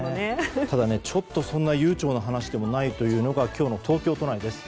ただ、そんな悠長な話でもないというのが今日の東京都内です。